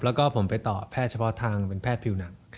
แล้วผมไปต่อพ่อคนแพทย์ทางเป็นผู้หนัง